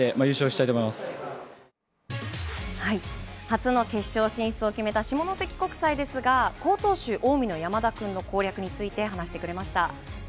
初の決勝進出を決めた下関国際ですが、好投手、近江の山田君の攻略について話してくれました。